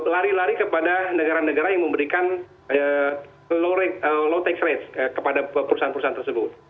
lari lari kepada negara negara yang memberikan low tax rate kepada perusahaan perusahaan tersebut